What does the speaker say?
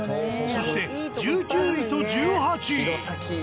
そして１９位と１８位。